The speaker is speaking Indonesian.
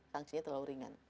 sangsi nya terlalu ringan